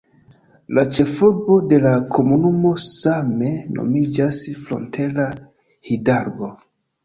La ĉefurbo de la komunumo same nomiĝas Frontera Hidalgo.